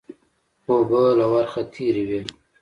اوبه له ورخه تېرې وې